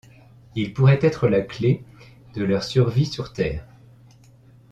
Ils pourraient être la clé de leur survie sur terre.